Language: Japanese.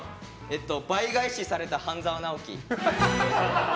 倍返しされた半沢直樹。